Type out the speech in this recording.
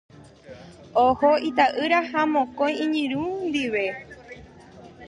Oho ita'ýra ha mokõi iñirũ ndive.